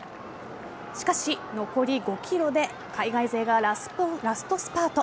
しかし、残り５ｋｍで海外勢がラストスパート。